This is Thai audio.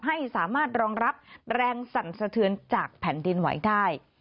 ให้สามารถรองรับแรงสั่นสะเทือนจากแผ่นดินไหวได้